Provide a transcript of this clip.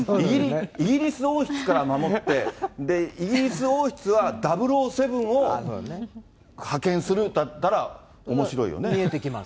イギリス王室から守って、イギリス王室は００７を派遣するんだったらおもしろいよね。